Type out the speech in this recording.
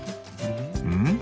うん？